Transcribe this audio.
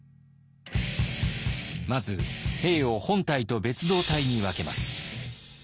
まず兵を本隊と別動隊に分けます。